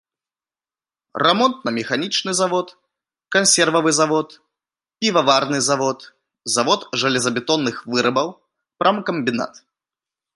Рамонтна-механічны завод, кансервавы завод, піваварны завод, завод жалезабетонных вырабаў, прамкамбінат.